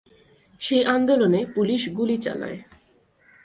সেই আন্দোলনে পুলিশ গুলি চালায়।